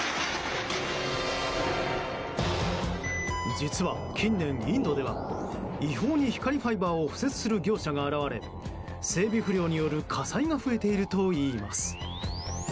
実は、近年インドでは違法に光ファイバーを敷設する業者が現れ整備不良による火災が増えているといいます。